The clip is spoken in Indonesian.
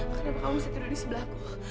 kenapa kamu bisa tidur di sebelahku